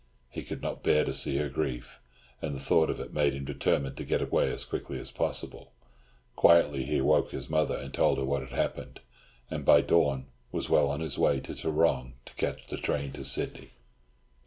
He could not bear to see her grief, and the thought of it made him determined to get away as quickly as possible. Quietly he awoke his mother, and told her what had happened, and by dawn was well on his way to Tarrong to catch the train to Sydney.